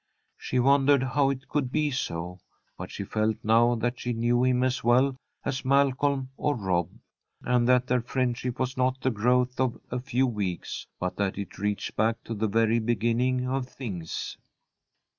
She wondered how it could be so, but she felt now that she knew him as well as Malcolm or Rob, and that their friendship was not the growth of a few weeks, but that it reached back to the very beginning of things.